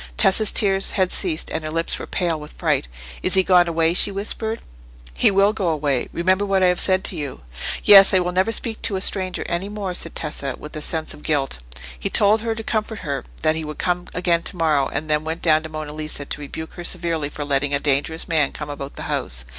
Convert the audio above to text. Tessa's tears had ceased, and her lips were pale with fright. "Is he gone away?" she whispered. "He will go away. Remember what I have said to you." "Yes; I will never speak to a stranger any more," said Tessa, with a sense of guilt. He told her, to comfort her, that he would come again to morrow; and then went down to Monna Lisa to rebuke her severely for letting a dangerous man come about the house.